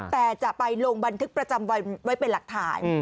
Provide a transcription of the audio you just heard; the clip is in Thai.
แต่จะไปลงบันทึกประจำวันไว้เป็นหลักฐาน